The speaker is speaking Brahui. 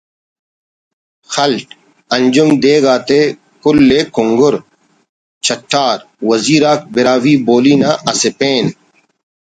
خل/ انجمؔ دیگ آتے کُل ءِ کُنگر چٹّار وزیر آک براہوئی بولی نا اسہ پین